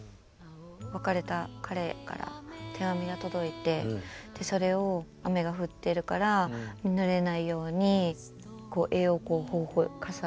別れた彼から手紙が届いてそれを雨が降ってるからぬれないように傘をこうやって押さえて。